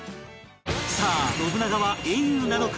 さあ信長は英雄なのか？